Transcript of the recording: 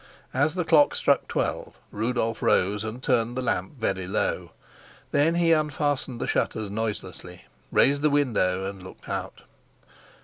As the clock struck twelve Rudolf rose and turned the lamp very low. Then he unfastened the shutters noiselessly, raised the window and looked out.